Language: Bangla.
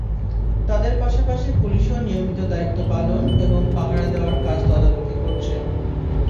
তাঁদের পাশাপাশি পুলিশও নিয়মিত দায়িত্ব পালন এবং পাহারা দেওয়ার কাজ তদারকি করছে।